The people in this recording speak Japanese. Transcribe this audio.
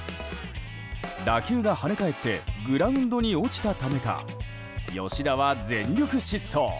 打球が跳ね返ってグラウンドに落ちたためか吉田は全力疾走。